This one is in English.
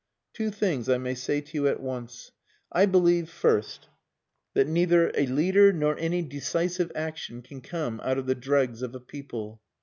"Two things I may say to you at once. I believe, first, that neither a leader nor any decisive action can come out of the dregs of a people.